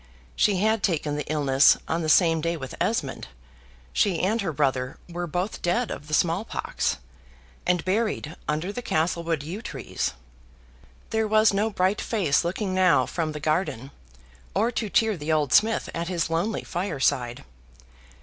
She had taken the illness on the same day with Esmond she and her brother were both dead of the small pox, and buried under the Castlewood yew trees. There was no bright face looking now from the garden, or to cheer the old smith at his lonely fireside.